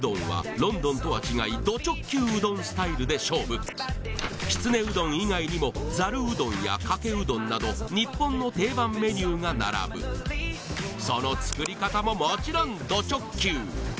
ＭＡＲＵＵＤＯＮはロンドンとは違いド直球うどんスタイルで勝負きつねうどん以外にもザルうどんやかけうどんなど日本の定番メニューが並ぶその作り方ももちろんド直球！